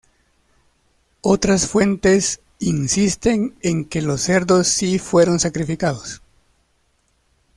Otras fuentes insisten en que los cerdos si fueron sacrificados.